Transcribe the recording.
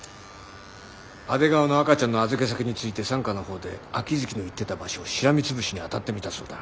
阿出川の赤ちゃんの預け先について三課のほうで秋月の言ってた場所をしらみつぶしに当たってみたそうだ。